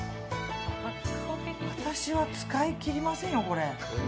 私は使い切りませんよ、これ。